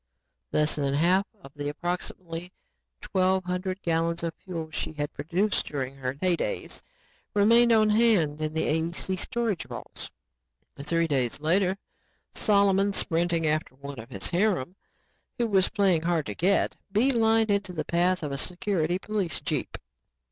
Less than half of the approximately twelve hundred gallons of fuel she had produced during her hay days, remained on hand in the AEC storage vaults. Three days later, Solomon, sprinting after one of his harem who was playing hard to get, bee lined into the path of a security police jeep.